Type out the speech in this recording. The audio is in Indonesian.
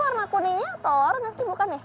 wih itu warna kuningnya atau warna sih bukan ya